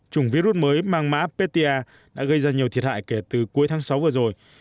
chủng virus mới mang mã petia đã gây ra nhiều thiệt hại kể từ cuối tháng sáu vừa rồi